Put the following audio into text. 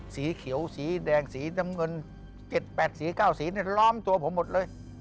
สีเขียวสีแดงสีน้ำเงิน๗๘สี๙สีล้อมตัวผมหมดเลย